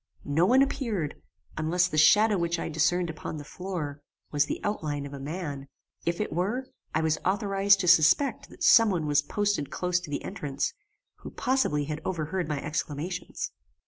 No one appeared, unless the shadow which I discerned upon the floor, was the outline of a man. If it were, I was authorized to suspect that some one was posted close to the entrance, who possibly had overheard my exclamations.